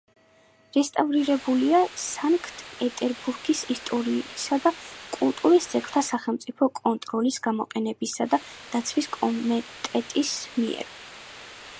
რესტავრირებულია სანქტ-პეტერბურგის ისტორიისა და კულტურის ძეგლთა სახელმწიფო კონტროლის, გამოყენებისა და დაცვის კომიტეტის მიერ.